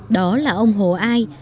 đó là ông hồ ai